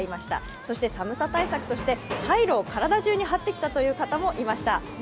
そして寒さ対策としてカイロを体中に貼ってきたという方もいました。